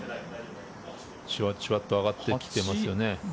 じわじわと上がってきていますよね。